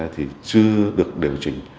thì chưa được điều chỉnh